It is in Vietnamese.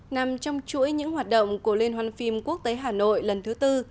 nằm trong chuỗi những hoạt động của liên hoan phim quốc tế hà nội lần thứ tư